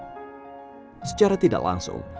sebagai penerusnya secara tidak langsung